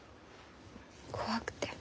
怖くて。